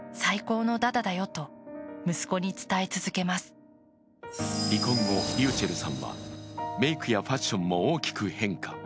ｐｅｃｏさんは離婚後、ｒｙｕｃｈｅｌｌさんはメイクやファッションも大きく変化。